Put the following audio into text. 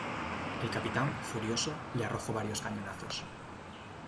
El capitán, furioso, le arrojó varios cañonazos.